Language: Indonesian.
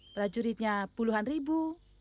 prajuritnya puluhan ribu